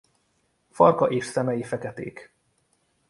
Farka és szemei feketék.